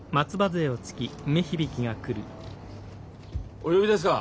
お呼びですか？